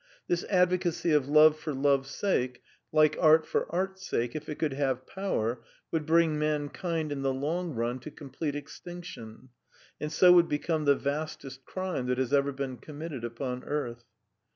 This advocacy of love for love's sake, like art for art's sake, if it could have power, would bring mankind in the long run to complete extinction, and so would become the vastest crime that has ever been committed upon earth.